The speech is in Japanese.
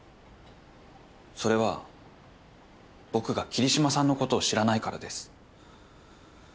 それは僕が桐島さんのことを知らないからです。